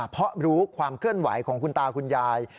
เพราะรู้ความเคลื่อนไหวของคุณตาคุณยาย